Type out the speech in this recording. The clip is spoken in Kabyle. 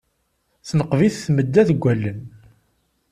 Tenqeb-it tmedda deg allen.